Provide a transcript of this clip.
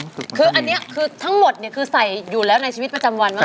คือทั้งหมดเนี่ยใส่อยู่แล้วในชีวิตประจำวันไง